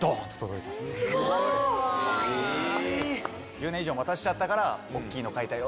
「１０年以上待たしたから大っきいの描いたよ」